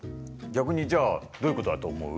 逆にじゃあどういうことだと思う？